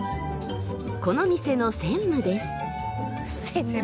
この店の専務です。